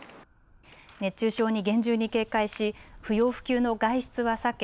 熱中症に厳重に警戒し不要不急の外出は避け